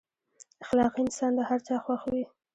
اخلاقي انسان د هر چا خوښ وي.